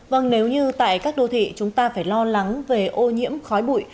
vâng nếu như tại các đô thị chúng ta phải lo lắng về ô nhiễm khói bụi